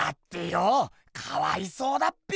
かわいそうだっぺよ！